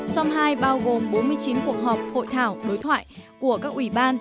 som hai bao gồm bốn mươi chín cuộc họp hội thảo đối thoại của các ủy ban